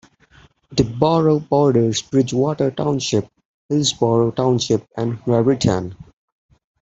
The borough borders Bridgewater Township, Hillsborough Township and Raritan.